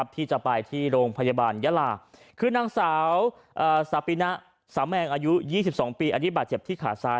ที่จะไปที่โรงพยาบาลยาลาคือนางสาวสาปินะสาแมงอายุ๒๒ปีอันนี้บาดเจ็บที่ขาซ้าย